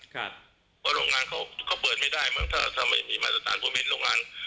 เพราะโรงงานเขาเปิดไม่ได้มั้งถ้าไม่มีมาตรฐานผมเห็นโรงงาน